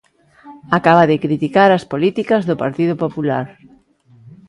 Acaba de criticar as políticas do Partido Popular.